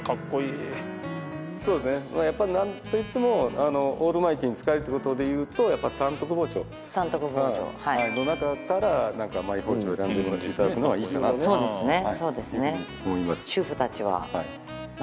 そうですねやっぱオールマイティーに使えるってことでいうとやっぱ三徳包丁三徳包丁はいの中から何かＭＹ包丁選んでもらっていただくのがいいかなとそうですね